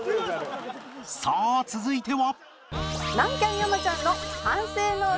さあ続いては